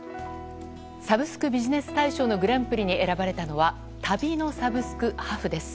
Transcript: サブスクビジネス大賞のグランプリに選ばれたのは旅のサブスク、ＨａｆＨです。